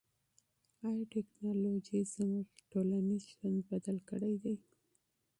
آیا ټیکنالوژي زموږ ټولنیز ژوند بدل کړی دی؟